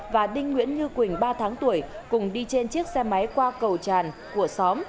và đinh nguyễn như quỳnh ba tháng tuổi cùng đi trên chiếc xe máy qua cầu tràn của xóm